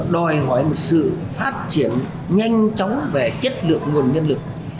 đòi hỏi một sự phát triển nhanh chóng về chất lượng nguồn nhân lực